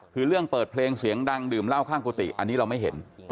คือเรื่องเปิดเพลงเสียงดังดื่มเหล้าข้างกุฏิอันนี้เราไม่เห็น